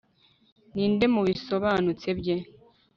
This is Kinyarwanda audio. Ninde mubisobanutse bye